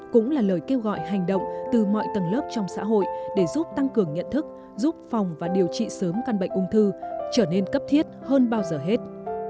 cũng là lời kêu gọi hành động từ mọi tầng lớp trong xã hội để giúp tăng cường nhận thức giúp phòng và điều trị sớm căn bệnh ung thư trở nên cấp thiết hơn bao giờ hết